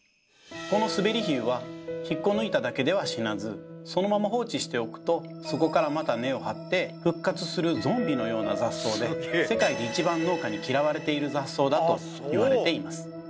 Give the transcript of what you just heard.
このスベリヒユは引っこ抜いただけでは死なずそのまま放置しておくとそこからまた根を張って復活するゾンビのような雑草で世界で一番農家に嫌われている雑草だといわれています。